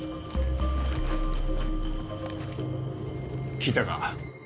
聞いたか？